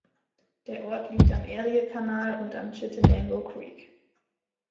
Der Ort liegt am Eriekanal und am Chittenango Creek.